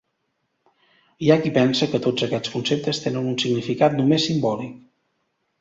Hi ha qui pensa que tots aquests conceptes tenen un significat només simbòlic.